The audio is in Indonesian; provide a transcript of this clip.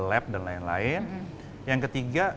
lab dan lain lain yang ketiga